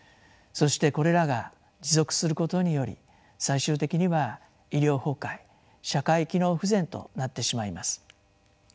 そしてこれらが持続することにより最終的には医療崩壊社会機能不全となってしまいます。